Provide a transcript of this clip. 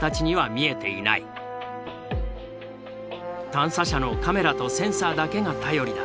探査車のカメラとセンサーだけが頼りだ。